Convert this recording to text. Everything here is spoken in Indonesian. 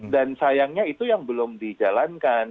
dan sayangnya itu yang belum dijalankan